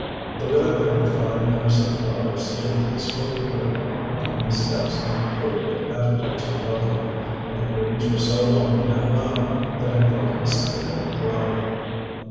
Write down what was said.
The widow and her five innocent daughters stood tastefully grouped upon the steps in appropriate attitudes of welcome; and the greetings were so long and loud that I felt a sympathetic glow.